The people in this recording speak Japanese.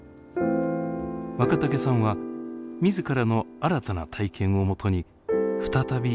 若竹さんは自らの新たな体験をもとに再び筆を執りました。